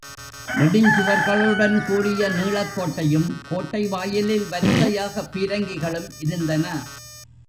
நெடுஞ்சுவர்களுடன் கூடிய நீளக் கோட்டையும், கோட்டை வாயிலில் வரிசையாக பீரங்கிகளும் இருந்தன.